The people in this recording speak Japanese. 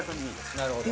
なるほど。